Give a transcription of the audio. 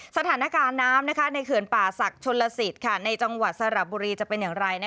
สถานการณ์น้ำในเขื่อนป่าศักดิ์ชนลสิตในจังหวัดสระบุรีจะเป็นอย่างไร